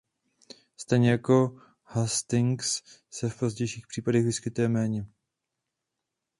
Stejně jako Hastings se v pozdějších případech vyskytuje méně.